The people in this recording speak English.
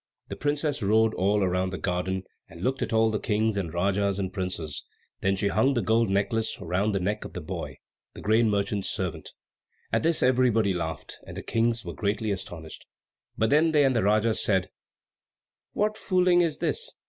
The princess rode all round the garden, and looked at all the Kings and Rajas and princes, and then she hung the gold necklace round the neck of the boy, the grain merchant's servant. At this everybody laughed, and the Kings were greatly astonished. But then they and the Rajas said, "What fooling is this?"